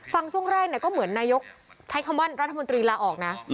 ช่วงแรกก็เหมือนนายกใช้คำว่ารัฐมนตรีลาออกนะ